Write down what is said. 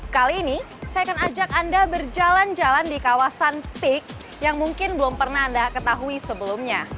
kali ini saya akan ajak anda berjalan jalan di kawasan pik yang mungkin belum pernah anda ketahui sebelumnya